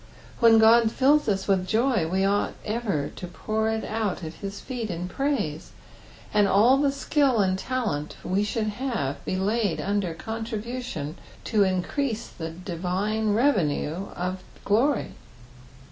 When Ood fills us with joy we ought ever to pour it out at his feet in praise, and all the skill and talent we have should be laid under contribution to mcrease the divine revenue of glory.